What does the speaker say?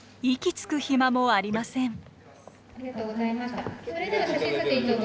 息つく暇もありません。